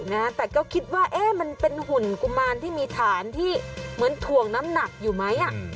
แต่ก็คิดว่าเอ๊ะมันเป็นหุ่นกุมารที่มีฐานที่เหมือนถ่วงน้ำหนักอยู่ไหมอ่ะ